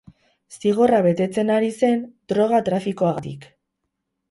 Zigorra betetzen ari zen droga trafikoagatik.